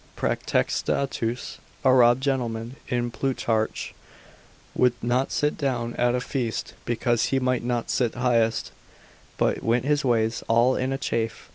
Praetextatus, a robed gentleman in Plutarch, would not sit down at a feast, because he might not sit highest, but went his ways all in a chafe.